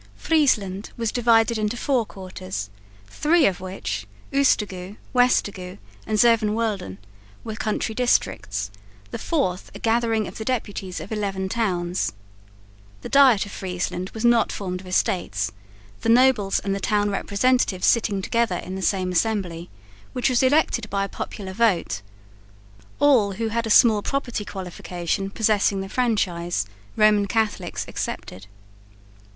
Friesland was divided into four quarters, three of which (Oostergoo, Westergoo and Zevenwolden) were country districts, the fourth a gathering of the deputies of eleven towns. The Diet of Friesland was not formed of Estates, the nobles and the town representatives sitting together in the same assembly, which was elected by a popular vote, all who had a small property qualification possessing the franchise, Roman Catholics excepted.